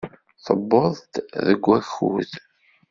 Tewweḍ-d deg wakud.